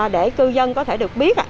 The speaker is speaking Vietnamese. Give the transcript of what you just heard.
để cư dân có thể được biết